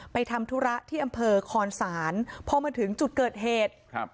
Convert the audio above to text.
ทำธุระที่อำเภอคอนศาลพอมาถึงจุดเกิดเหตุครับ